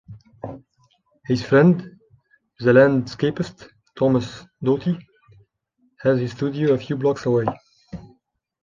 His friend, the landscapist Thomas Doughty had his studio a few blocks away.